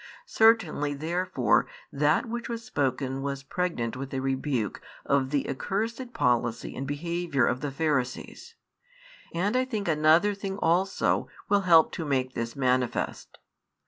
Certainly therefore that which was spoken was pregnant with a rebuke of the accursed policy and behaviour of the Pharisees. And I think another thing also will help to make this manifest.